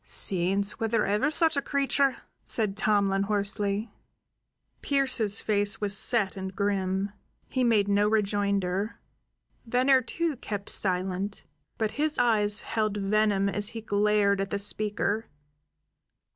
"Saints! Was there ever such a creature?" said Tomlin hoarsely. Pearse's face was set and grim; he made no rejoinder. Venner, too, kept silent; but his eyes held venom as he glared at the speaker.